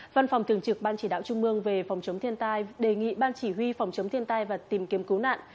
văn phòng thường trực ban chỉ đạo trung mương về phòng chống thiên tai đề nghị ban chỉ huy phòng chống thiên tai và tìm kiếm cứu nạn